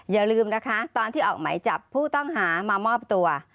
อย่าลืมนะคะตอนที่ออกหมายจับผู้ต้องหามามอบตัว